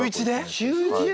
中１で！？